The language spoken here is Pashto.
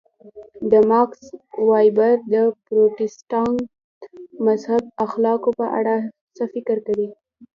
د ماکس وېبر د پروتستانت مذهب اخلاقو په اړه څه فکر کوئ.